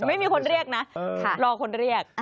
ไม่มีคนเรียกนะรอคนเรียก